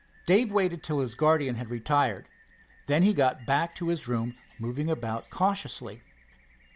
Dave waited till his guardian had retired, then he got back to his room, moving about cautiously.